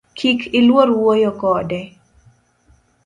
Kik iluor wuoyo kode